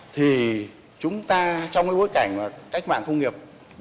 thì chúng ta trong bối cảnh cách mạng công nghiệp bốn